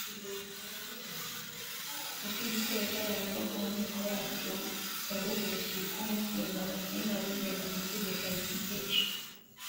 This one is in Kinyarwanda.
ko igitero cy’abahima ku nkiko yacu ya ruguru cyitwa umusingo. abasinga bigeze gutegeka igice